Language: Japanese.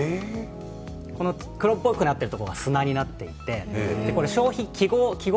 黒っぽくなっているところが砂になっていて消費、記号